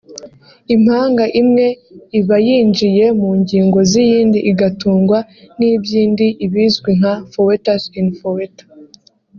Impanga imwe iba yinjiye mu ngingo z’iyindi igatungwa n’iby’indi ibizwi nka «fœtus in fœtu»